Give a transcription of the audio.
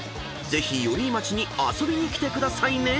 ［ぜひ寄居町に遊びに来てくださいね！］